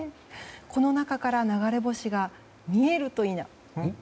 この中から流れ星が見えるといいな。